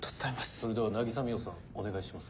それでは渚海音さんお願いします。